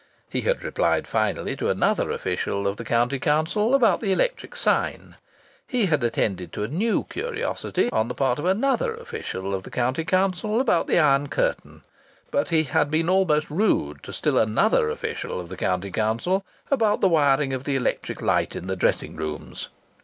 He had replied finally to another official of the County Council about the electric sign. He had attended to a new curiosity on the part of another official of the County Council about the iron curtain. But he had been almost rude to still another official of the County Council about the wiring of the electric light in the dressing rooms.